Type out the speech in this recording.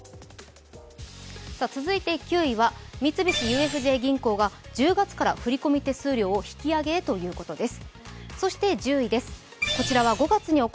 続いて９位は、三菱ＵＦＪ銀行が１０月から振込手数料を振り込み手数料を引き上げへということです。